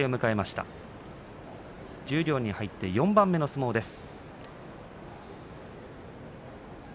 十両に入って４番目の相撲です。